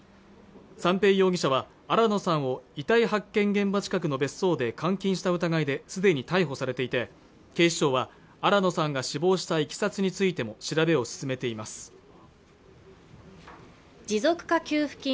三瓶容疑者は新野さんを遺体発見現場近くの別荘で監禁した疑いですでに逮捕されていて警視庁は新野さんが死亡したいきさつについても調べを進めています持続化給付金